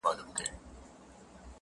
د زړه په لپو کې هر وخت ورکوو